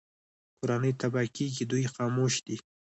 کورنۍ تباه کېږي دوی خاموش دي